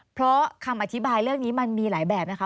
เพราะคำอธิบายเรื่องนี้มันมีหลายแบบนะคะ